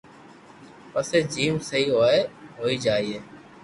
پسي جيم سھي ھوئي ھوئي جائين